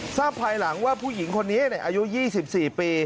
ทราบภัยหลังว่าผู้หญิงคนนี้เนี่ยอายุ๑๙ปี